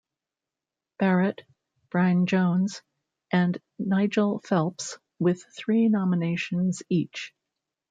Barret, Bryan Jones, and Nigel Phelps with three nominations each.